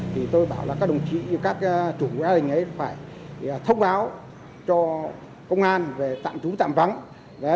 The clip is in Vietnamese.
thì tôi bảo là các đồng chí các chủ nghĩa ấy phải thông báo cho công an về tạm trú tạm vắng